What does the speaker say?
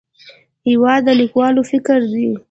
هېواد د لیکوال فکر دی.